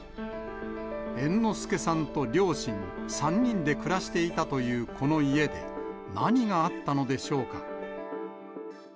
猿之助さんと両親、３人で暮らしていたというこの家で、何があったのでしょうか。